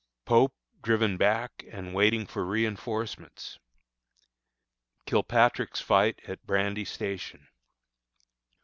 Pope driven back and waiting for Reinforcements. Kilpatrick's Fight at Brandy Station.